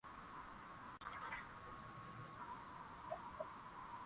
Mheshimiwa Samia Suluhu Hassan atapokelewa Manispaa ya Morogoro eneo la kituo kikuu cha mabasi